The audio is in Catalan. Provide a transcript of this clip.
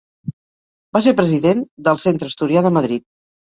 Va ser president del Centre Asturià de Madrid.